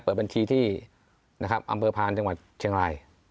เปิดบัญชีที่อำเภอพรานจังหวัดเชียงราย